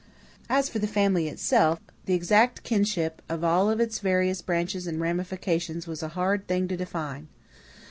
As for the family itself, the exact kinship of all its various branches and ramifications was a hard thing to define.